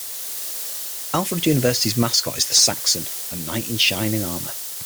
Alfred University's mascot is the Saxon, a knight in shining armor.